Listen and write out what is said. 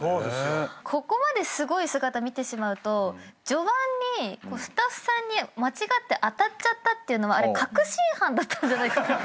ここまですごい姿見てしまうと序盤にスタッフさんに間違って当たっちゃったっていうのはあれ確信犯だったんじゃない。